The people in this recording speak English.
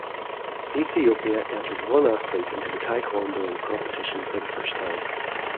Ethiopia entered one athlete into the taekwondo competition for the first time.